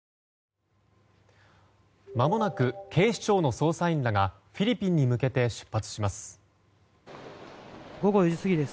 まもなく警視庁の捜査員らがフィリピンに向けて出発します。